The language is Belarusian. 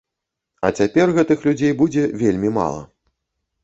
А цяпер гэтых людзей будзе вельмі мала.